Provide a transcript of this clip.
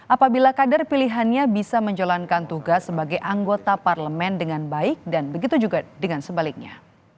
apabila kader pilihannya bisa menjalankan tugas sebagai anggota parlemen dengan baik dan begitu juga dengan sebaliknya